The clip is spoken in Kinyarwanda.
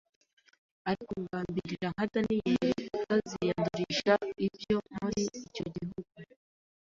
ariko ngambirira nka Daniyeli kutaziyandurisha ibyo muri icyo gihugu